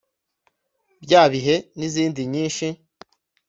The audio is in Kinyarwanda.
‘Bya bihe’ n’izindi nyinshi